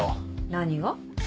何が？